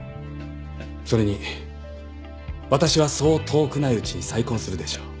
それに私はそう遠くないうちに再婚するでしょう。